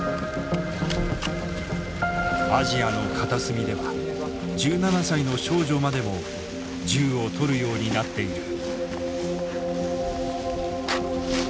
アジアの片隅では１７歳の少女までも銃を取るようになっている。